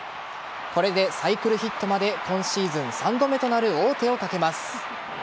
これでサイクルヒットまで今シーズン３度目となる王手をかけます。